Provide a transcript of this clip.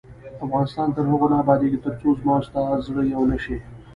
افغانستان تر هغو نه ابادیږي، ترڅو زما او ستا زړه یو نشي.